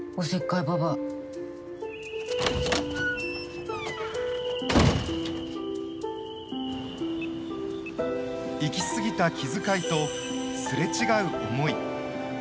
いきすぎた気遣いとすれ違う思い。